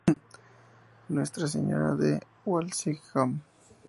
Nuestra Señora de Walsingham".